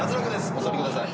お座りください。